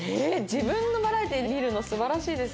自分のバラエティ見るの素晴らしいですね。